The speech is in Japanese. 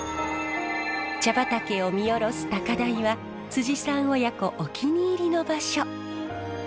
茶畑を見下ろす高台はさん親子お気に入りの場所。